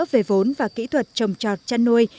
về vốn và kỹ thuật trồng trọt chăn nuôi